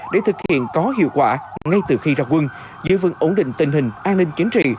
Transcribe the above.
để thực hiện có hiệu quả ngay từ khi ra quân giữ vững ổn định tình hình an ninh chính trị